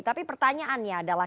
tapi pertanyaannya adalah